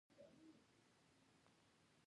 د روم تیاترونه د غلامانو په لاس جوړ شوي و.